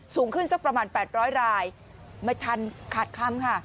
สูงขึ้นสักประมาณ๘๐๐รายไม่ทันขาดคำค่ะ